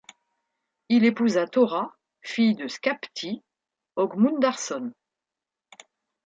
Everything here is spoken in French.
Il épousa Tora, fille de Skapti Ögmundarson.